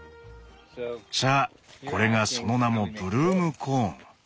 さあこれがその名も「ブルームコーン」。